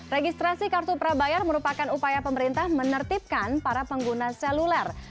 registrasi kartu prabayar merupakan upaya pemerintah menertibkan para pengguna seluler